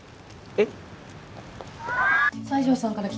えっ？